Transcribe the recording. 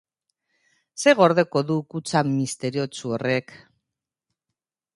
Zer gordeko du kutxa misteriotsu horrek?